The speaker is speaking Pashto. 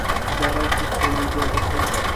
اداره د خلکو پر وړاندې ځواب ورکوي.